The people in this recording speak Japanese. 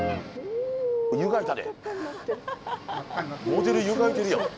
モデルゆがいてるやん。